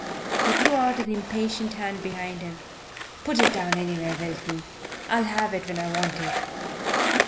He threw out an impatient hand behind him. "Put it down anywhere, Wilton, I'll have it when I want it."